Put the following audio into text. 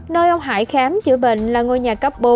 nơi ông hải khám chữa bệnh là ngôi nhà cấp bốn